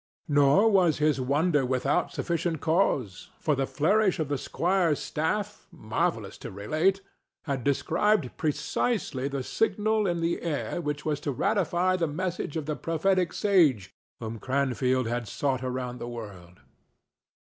Nor was his wonder without sufficient cause, for the flourish of the squire's staff, marvellous to relate, had described precisely the signal in the air which was to ratify the message of the prophetic sage whom Cranfield had sought around the world.